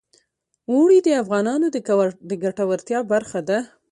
اوړي د افغانانو د ګټورتیا برخه ده.